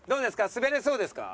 滑れそうですか？